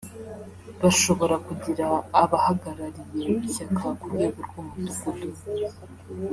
bashobora kugira abahagarariye ishyaka ku rwego rw’umudugudu